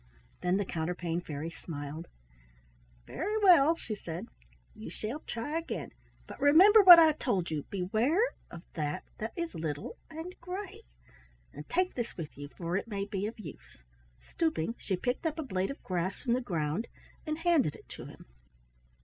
Then the Counterpane Fairy smiled. "Very well," she said, "you shall try again; but remember what I told you, beware of that that is little and gray, and take this with you, for it may be of use." Stooping, she picked up a blade of grass from the ground and handed it to him.